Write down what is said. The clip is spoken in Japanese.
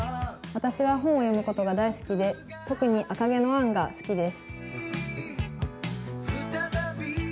私は本を読むことが大好きで、特に「赤毛のアン」が好きです。